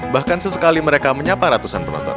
bahkan sesekali mereka menyapa ratusan penonton